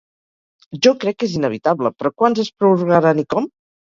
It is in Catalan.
Jo crec que és inevitable, però, quants es prorrogaran i com?